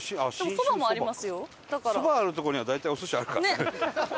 そばがあるとこには大体お寿司あるから。